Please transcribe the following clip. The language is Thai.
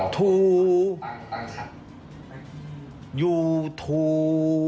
ทูยูทู